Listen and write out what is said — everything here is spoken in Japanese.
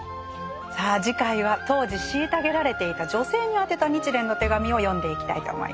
さあ次回は当時虐げられていた女性に宛てた「日蓮の手紙」を読んでいきたいと思います。